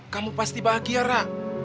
kamu pasti bahagia ra